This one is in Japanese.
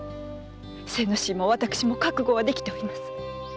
精之進も私も覚悟はできております。